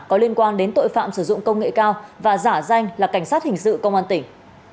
có liên quan đến tội phạm sử dụng công nghệ cao và giả danh là cảnh sát hình sự công an tỉnh